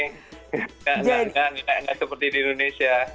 nggak seperti di indonesia